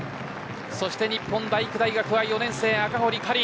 そして日本体育大学は４年生赤堀かりん。